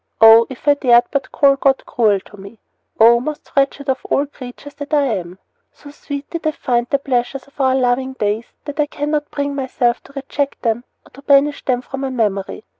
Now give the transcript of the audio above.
Oh, if I dared but call God cruel to me! Oh, most wretched of all creatures that I am! So sweet did I find the pleasures of our loving days that I cannot bring myself to reject them or to banish them from my memory.